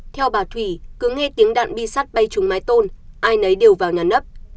theo bà thủy cứ nghe tiếng đạn bi sắt bay trúng mái tôn ai nấy đều vào nhà nấp